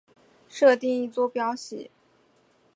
设定一坐标系。